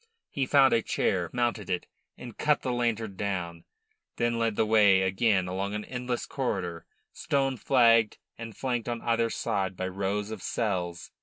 He found a chair, mounted it, and cut the lantern down, then led the way again along an endless corridor, stone flagged and flanked on either side by rows of cells.